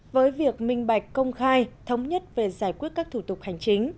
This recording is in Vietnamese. với việc minh bạch công khai thống nhất về giải quyết các thủ tục hành chính